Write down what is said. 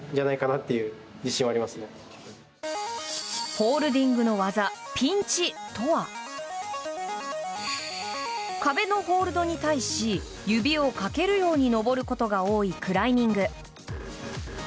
ホールディングの技ピンチとは壁のホールドに対し指をかけるように登ることが多いクライミング。